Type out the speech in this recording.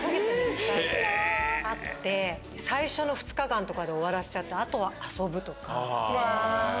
最初の２日間とかで終わらせちゃってあとは遊ぶとか。